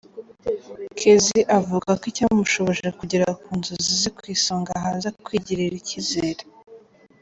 Kezi avuga ko icyamushoboje kugera ku nzozi ze ku isonga haza “Kwigirira icyizere”.